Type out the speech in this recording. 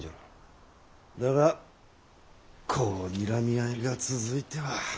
だがこうにらみ合いが続いては。